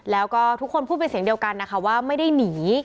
แล้วก็ทุกคนพูดเป็นเสียงเดียวกันนะคะว่าไม่ได้หนี